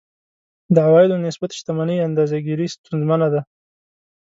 د عوایدو نسبت شتمنۍ اندازه ګیري ستونزمنه ده.